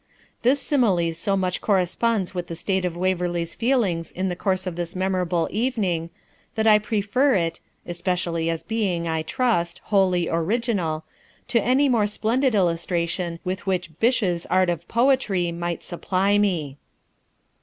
This simile so much corresponds with the state of Waverley's feelings in the course of this memorable evening, that I prefer it (especially as being, I trust, wholly original) to any more splendid illustration with which Byshe's 'Art of Poetry' might supply me.